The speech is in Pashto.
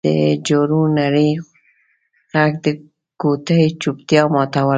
د جارو نري غږ د کوټې چوپتیا ماتوله.